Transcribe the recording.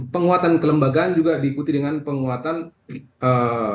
penguatan kelembagaan juga diikuti dengan pertanyaan mbak